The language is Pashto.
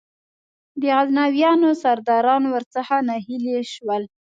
د غزنویانو سرداران ور څخه ناهیلي شول.